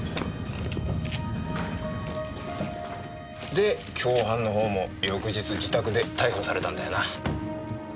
で共犯のほうも翌日自宅で逮捕されたんだよな。